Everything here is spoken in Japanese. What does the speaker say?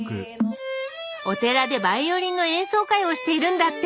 お寺でバイオリンの演奏会をしているんだって！